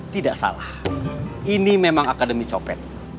tidak salah ini memang akademi copet